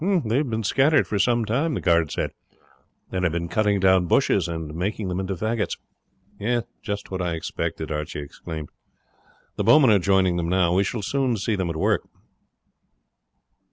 "They have been scattered for some time," the guard said, "and have been cutting down bushes and making them into faggots." "Just what I expected," Archie exclaimed. "The bowmen are joining them now. We shall soon see them at work."